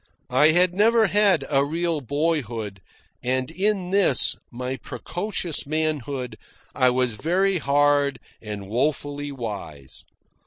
I had never had a real boyhood, and in this, my precocious manhood, I was very hard and woefully wise.